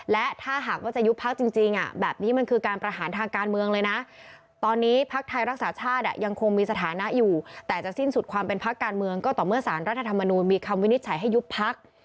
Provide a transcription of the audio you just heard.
และถ้าหากว่าจะยุบพักจริงแบบนี้มันคือการประหารทางการเมืองเลยนะตอนนี้พักไทยรักษาชาติยังคงมีสถานะอยู่แต่จะสิ้นสุดความเป็นพักการเมืองก็ต่อเมื่อสารรัฐธรรมนูลมีคำวินิจฉัยให้ยุบพัก